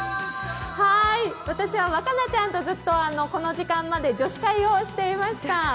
私は和奏ちゃんとずっとこの時間まで女子会をしていました。